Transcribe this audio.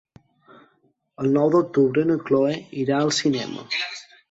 El nou d'octubre na Cloè irà al cinema.